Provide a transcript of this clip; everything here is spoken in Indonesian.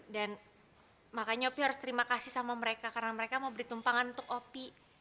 dan makanya opi harus terima kasih sama mereka karena mereka mau beri tumpangan untuk opi